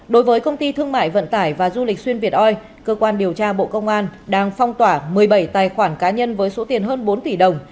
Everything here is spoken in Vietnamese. đối với công ty thương mại vận tải và du lịch xuyên việt oi cơ quan điều tra bộ công an đang phong tỏa một mươi bảy tài khoản cá nhân với số tiền hơn bốn tỷ đồng